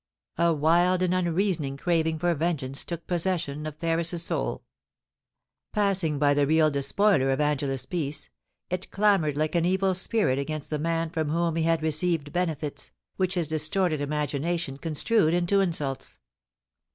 A wild and unreasoning craving for vengeance took possession of Ferris's soul Passing by the real despoiler of .\ngela's peace, it clanioured like an evil spirit against the man from whom he had received benefits, which his dis torted imagination construed into insults.